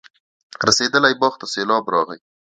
رسېدلي باغ ته سېلاب راغی.